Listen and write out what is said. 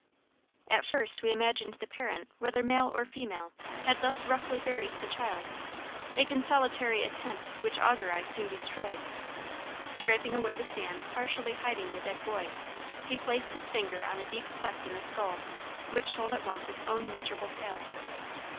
"At first we imagined the parent, whether male or female, had thus roughly buried the child a consolatory assumption which Augur eye soon destroyed. Scraping away the sand partially hiding the dead boy, he placed his finger on a deep cleft in the skull, which told at once its own miserable tale.